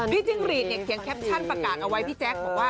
จิ้งรีดเนี่ยเขียนแคปชั่นประกาศเอาไว้พี่แจ๊คบอกว่า